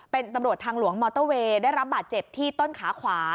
เป็นตำรวจทางหลวงมอเตอร์เวย์ได้รับบาดเจ็บที่ต้นขาขวา